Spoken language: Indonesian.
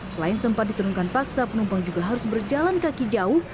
selain sempat diturunkan paksa penumpang juga harus berjalan kaki jauh